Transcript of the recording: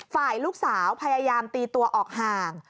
ฝ่ายลูกสาวพยายามตีตัวออกห่าง